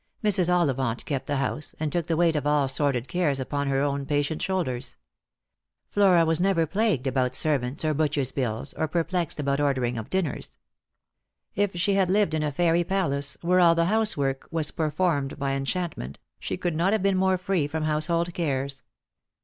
Mrs. Ollivant kept the house, and took the weight of all sordid caies upon her own patient shoulders. Flora was never plagued about servants or butcher's bills, or 260 Lost jtr T,ove. perplexed about ordering of dinners. If she had lived in a fairy palace, where all the household work was performed by enchant ment, she could not have been more free from household cares.